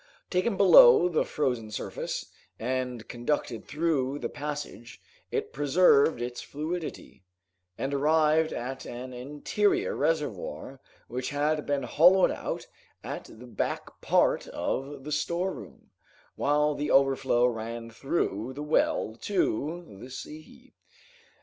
Taken below the frozen surface, and conducted through the passage, it preserved its fluidity, and arrived at an interior reservoir which had been hollowed out at the back part of the storeroom, while the overflow ran through the well to the sea.